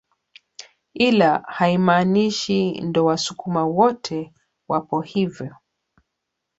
Ila haimaanishi ndo wasukuma wote wapo hivyo